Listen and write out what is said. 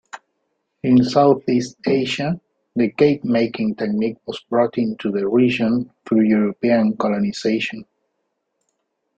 In Southeast Asia, the cake-making technique was brought into the region through European colonisation.